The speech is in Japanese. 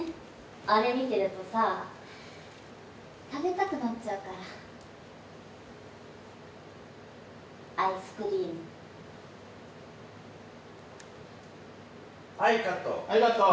あれ見てるとさ食べたくなっちゃうから」「アイスクリーム」はいカットはいカット！